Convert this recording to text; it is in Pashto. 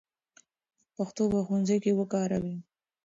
پښتو په ښوونځي کې وکاروئ.